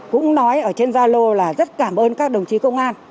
cũng nói ở trên gia lô là rất cảm ơn các đồng chí công an